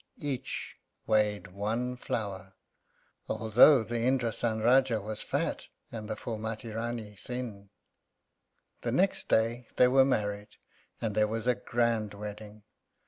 Each weighed one flower, although the Indrásan Rájá was fat and the Phúlmati Rání thin. The next day they were married, and there was a grand wedding.